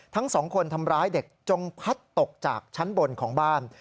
ทั้งสองคนทำร้ายเด็กจงพัดตกจากชั้นบนของบ้าน